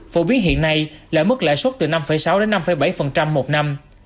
phổ biến hiện nay là mức lãi suất từ năm sáu đến năm bảy một năm